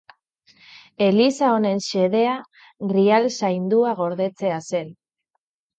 Eliza honen xedea Grial Saindua gordetzea zen.